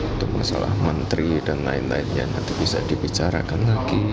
untuk masalah menteri dan lain lainnya nanti bisa dibicarakan lagi